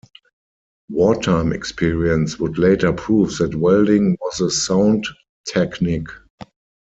Wartime experience would later prove that welding was a sound technique.